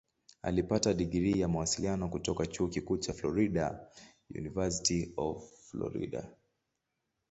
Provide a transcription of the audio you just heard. Alipata digrii ya Mawasiliano kutoka Chuo Kikuu cha Florida "University of South Florida".